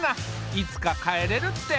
いつか帰れるって。